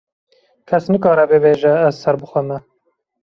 kes nikare bibêje ez ser bi xwe me.